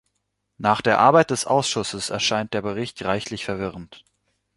Nach der Arbeit des Ausschusses erscheint der Bericht reichlich verwirrend.